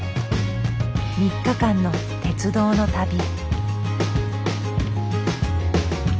３日間の鉄道の旅。